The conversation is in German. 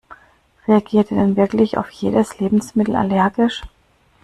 Reagiert er denn wirklich auf jedes Lebensmittel allergisch?